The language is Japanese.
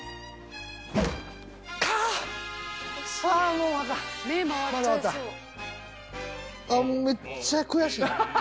もうめっちゃ悔しい！